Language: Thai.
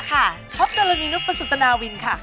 ครอบจรรย์นินุปสุตนาวินค่ะ